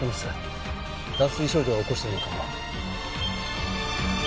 脱水症状を起こしてるのかも。